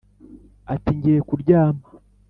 ati: ngiye kulyama